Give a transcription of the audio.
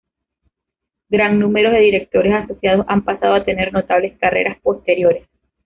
Gran número de Directores Asociados han pasado a tener notables carreras posteriores.